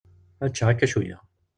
Ad ččeɣ akka cwiya.